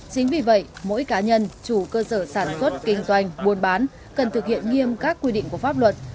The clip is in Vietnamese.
chính vì vậy mỗi cá nhân chủ cơ sở sản xuất kinh doanh buôn bán cần thực hiện nghiêm các quy định của pháp luật